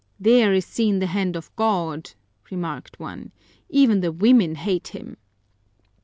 "There is seen the hand of God!" remarked one. "Even the women hate him."